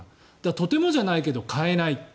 とてもじゃないけど買えない。